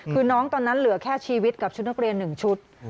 คือน้องตอนนั้นเหลือแค่ชีวิตกับชุดนักเรียน๑ชุด